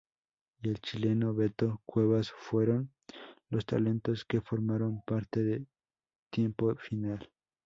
Y el chileno Beto Cuevas fueron los talentos que formaron parte de Tiempo final.